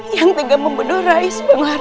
yang tegak membendur rais banglar